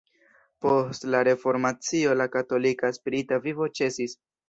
Post la Reformacio la katolika spirita vivo ĉesis.